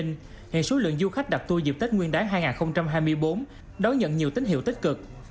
hiện số lượng du khách đặt tour dịp tết nguyên đáng hai nghìn hai mươi bốn đón nhận nhiều tín hiệu tích cực